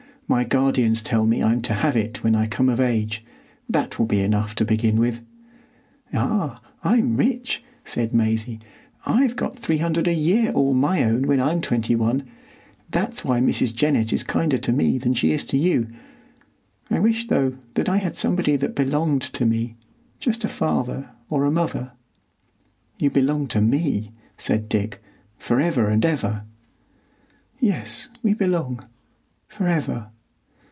My guardians tell me I'm to have it when I come of age. That will be enough to begin with." "Ah, I'm rich," said Maisie. "I've got three hundred a year all my own when I'm twenty one. That's why Mrs. Jennett is kinder to me than she is to you. I wish, though, that I had somebody that belonged to me,—just a father or a mother." "You belong to me," said Dick, "for ever and ever." "Yes, we belong—for ever.